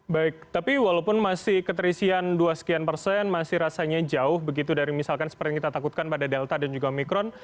baik tapi walaupun masih keterisian dua sekian persen masih rasanya jauh begitu dari misalkan seperti yang kita takutkan pada delta dan juga omikron